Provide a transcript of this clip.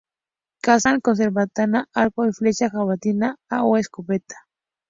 Cazan con cerbatana, arco y flecha, jabalina o escopeta.